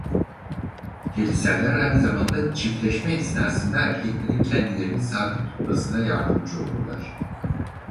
Keliserler aynı zamanda çiftleşme esnasında erkeklerin kendilerini sabit tutmasına yardımcı olurlar.